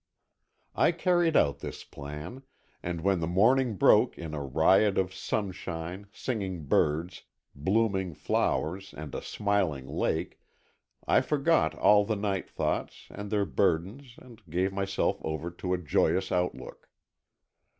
I carried out this plan, and when the morning broke in a riot of sunshine, singing birds, blooming flowers and a smiling lake, I forgot all the night thoughts and their burdens and gave myself over to a joyous outlook.